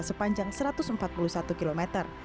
sepanjang satu ratus empat puluh satu km